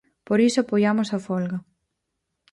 Por iso apoiamos a folga.